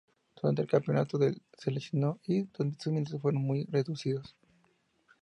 Durante el campeonato se lesionó y sus minutos fueron muy reducidos.